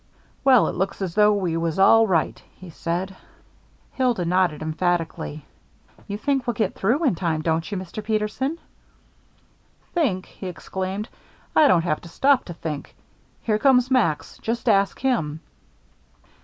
"Well, it looks as though we was all right," he said. Hilda nodded emphatically. "You think we'll get through in time, don't you, Mr. Peterson?" "Think!" he exclaimed. "I don't have to stop to think. Here comes Max; just ask him."